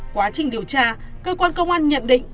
quá trình điều tra cơ quan công an nhận định